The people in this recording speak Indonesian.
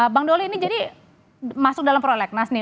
bang doli ini jadi masuk dalam prolegnas nih